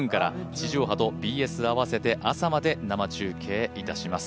地上波とＢＳ合わせて朝まで生中継いたします。